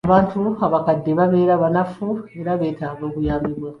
Abantu abakadde babeera banafu era beetaaga okuyambibwa.